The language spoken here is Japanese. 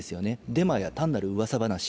デマや単なるうわさ話。